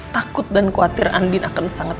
takut dan khawatir andin akan sangat